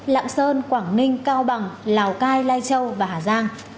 lạng sơn quảng ninh cao bằng lào cai lai châu và hà giang